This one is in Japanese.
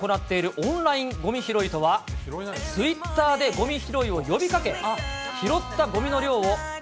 オンラインごみ拾いとは、ツイッターでごみ拾いを呼びかけ、拾ったごみの量を、＃